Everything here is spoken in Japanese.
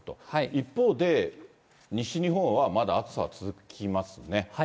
一方で、西日本はまだ暑さは続きはい。